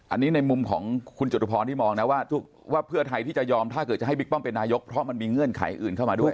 อันนี้ในมุมของคุณจตุพรที่มองนะว่าเพื่อไทยที่จะยอมถ้าเกิดจะให้บิ๊กป้อมเป็นนายกเพราะมันมีเงื่อนไขอื่นเข้ามาด้วย